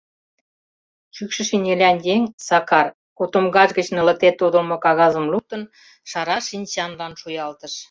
Шӱкшӧ шинелян еҥ, Сакар, котомкаж гыч нылыте тодылмо кагазым луктын, шара шинчанлан шуялтыш.